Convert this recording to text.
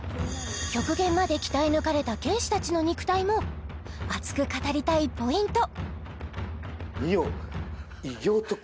極限まで鍛え抜かれた剣士たちの肉体も熱く語りたいポイント！